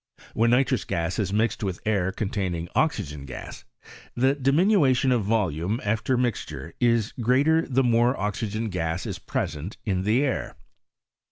When ni trous gas is mixed with air containing oxygen gas, the diminution of volume after mixture is greater the more oxygen gas is present in the air.